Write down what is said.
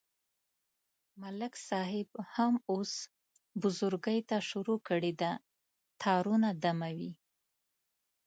ملک صاحب هم اوس بزرگی ته شروع کړې ده، تارونه دموي.